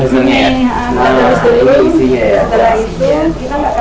nanti sudah dingin kita sirup sirup ya kita sediakan suatu saat kita mau menyambal